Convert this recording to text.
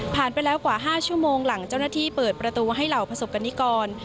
ไปแล้วกว่า๕ชั่วโมงหลังเจ้าหน้าที่เปิดประตูให้เหล่าประสบกรณิกร